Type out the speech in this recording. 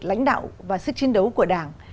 lãnh đạo và sức chiến đấu của đảng